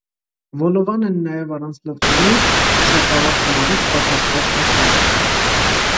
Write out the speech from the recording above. Վոլովան են նաև առանց լցոնի, շերտավոր խմորից պատրասված թխվածքը։